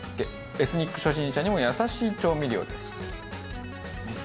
エスニック初心者にも優しい調味料です。